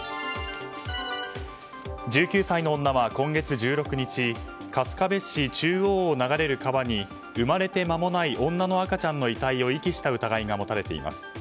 １９歳の女は今月１６日春日部市中央を流れる川に生まれてまもない女の赤ちゃんの遺体を遺棄した疑いが持たれています。